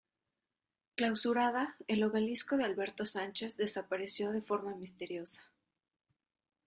Clausurada, el obelisco de Alberto Sánchez desapareció de forma misteriosa.